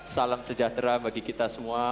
salam sejahtera bagi kita semua